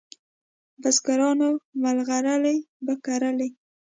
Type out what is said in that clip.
بزګرانو مرغلري په کرلې